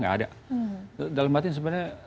gak ada dalam artinya sebenarnya